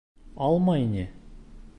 — Алмай ни!